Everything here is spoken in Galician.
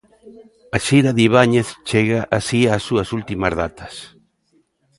A xira de Ibáñez chega así ás súas últimas datas.